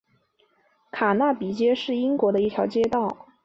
卡纳比街是英国的一条街道。